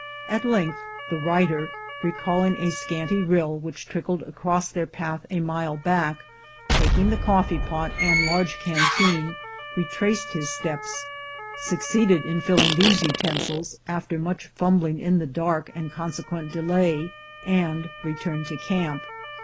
At length the writer, recalling a scanty rill which trickled across their path a mile back, taking the coffee pot and large canteen, retraced his steps, succeeded in filling these utensils after much fumblmg in the dark and con sequent delay, and returned to camp.